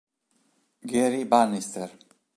Gary Bannister